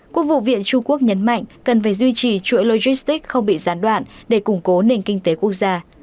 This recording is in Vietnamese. quốc vụ viện trung quốc nhấn mạnh cần phải duy trì chuỗi logistics không bị gián đoạn để củng cố nền kinh tế quốc gia